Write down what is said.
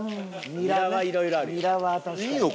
ニラはいろいろあるよ。いいの？